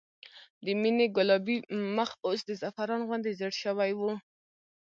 د مينې ګلابي مخ اوس د زعفران غوندې زېړ شوی و